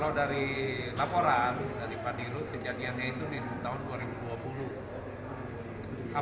kalau dari laporan dari pak dirut kejadiannya itu di tahun dua ribu dua puluh